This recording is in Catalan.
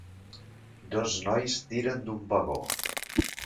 Dos nois tiren d'un vagó.